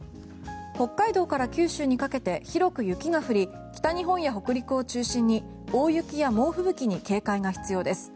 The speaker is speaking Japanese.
北海道から九州にかけて広く雪が降り北日本や北陸を中心に大雪や猛吹雪に警戒が必要です。